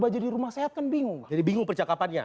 jadi bingung percakapannya